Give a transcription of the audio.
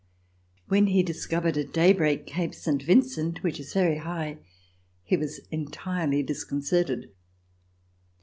When he discovered, at daybreak. Cape Saint Vincent, which is very high, he was entirely disconcerted.